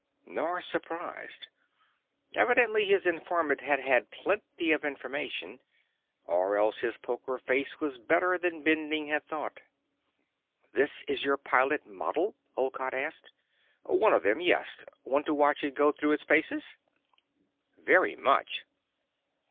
Nor surprised. Evidently, his informant had had plenty of information. Or else his poker face was better than Bending had thought. "This is your pilot model?" Olcott asked. "One of them, yes. Want to watch it go through its paces?" "Very much."